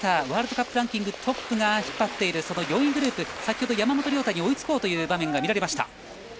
ワールドカップランキングでトップが引っ張っている４位グループ山本涼太に追いつこうという場面が見られました。